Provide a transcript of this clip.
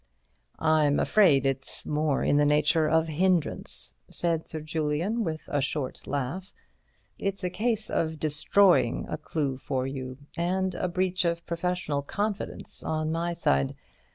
"I'm afraid it's more in the nature of hindrance," said Sir Julian, with a short laugh. "It's a case of destroying a clue for you, and a breach of professional confidence on my side.